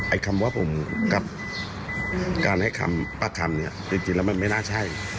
คำว่าผมกับการให้คำป้าคำเนี่ยจริงแล้วมันไม่น่าใช่